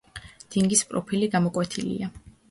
დინგის პროფილი გამოკვეთილია.